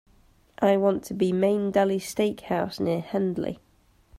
I want to be Main Deli Steak House near Hendley.